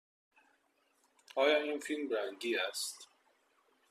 آیا فیلم رنگی است؟